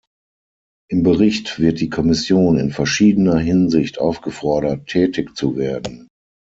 Im Bericht wird die Kommission in verschiedener Hinsicht aufgefordert, tätig zu werden.